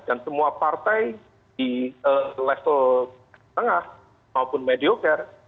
dan semua partai di level tengah maupun mediocre